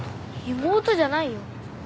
妹じゃないよ。